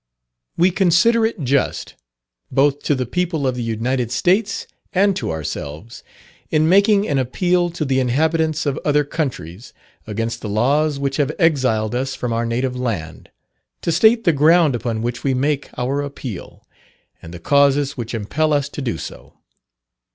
We consider it just, both to the people of the United States and to ourselves, in making an appeal to the inhabitants of other countries, against the laws which have exiled us from our native land, to state the ground upon which we make our appeal, and the causes which impel us to do so.